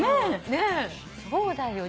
そうだよ。